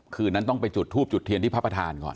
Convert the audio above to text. คืนนั้นต้องไปจุดทูบจุดเทียนที่พระประธานก่อน